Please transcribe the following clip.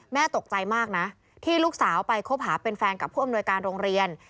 แม่ตกใจมากนะที่ลูกสาวไปคบหาเป็นแฟนกับผู้อำนวยการโรงเรียน